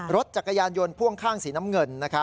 รถจักรยานยนต์พ่วงข้างสีน้ำเงิน